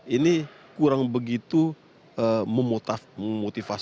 ini kurang begitu memotivasi